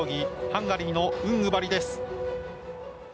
ハンガリーのウングバリです。